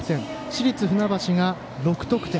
市立船橋が６得点。